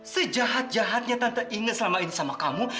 sejahat jahatnya tante ingat selama ini sama kamu